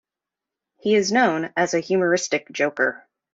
He is known as a humoristic joker.